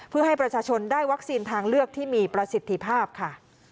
เพื่อให้ประชาชนได้วัคซีนทางเลือกที่มีประสิทธิภาพค่ะ